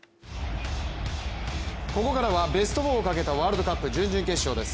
ここからは、ベスト４をかけたワールドカップ準々決勝です。